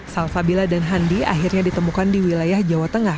salvabila dan handi akhirnya ditemukan di wilayah jawa tengah